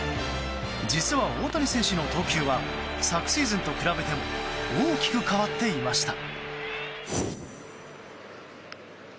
実は、大谷選手の投球は昨シーズンと比べても大きく変わっていました。